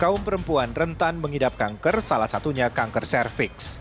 kaum perempuan rentan mengidap kanker salah satunya kanker cervix